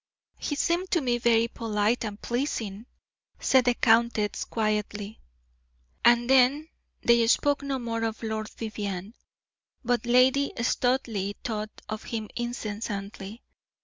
"He seemed to me very polite and pleasing," said the countess, quietly. And then they spoke no more of Lord Vivianne, but Lady Studleigh thought of him incessantly.